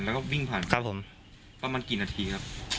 แล้วก็วิ่งผ่านครับผมประมาณกี่นาทีครับ